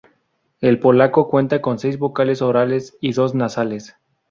El polaco cuenta con seis vocales orales y dos nasales.